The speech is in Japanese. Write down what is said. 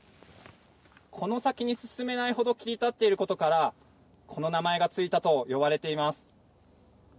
この先に進めないほど切り立っていることからこの名前が付いたと言われています。